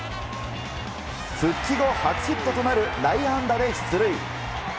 復帰後初ヒットとなる内野安打で出塁。